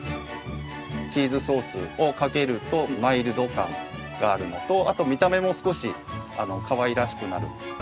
チーズソースをかけるとマイルド感があるのとあと見た目も少しかわいらしくなる。